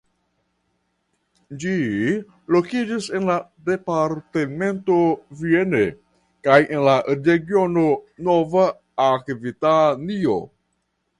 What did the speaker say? Ĝi lokiĝas en la departemento Vienne kaj en la regiono Nova Akvitanio.